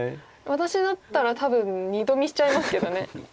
私だったら多分二度見しちゃいますけどね。